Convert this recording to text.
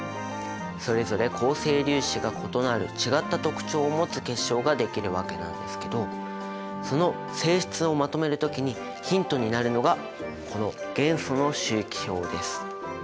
それぞれ構成粒子が異なる違った特徴を持つ結晶ができるわけなんですけどその性質をまとめる時にヒントになるのがこの元素の周期表です！